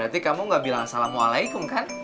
berarti kamu gak bilang assalamualaikum kan